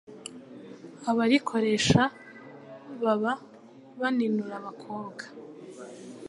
Abarikoresha baba baninura abakobwa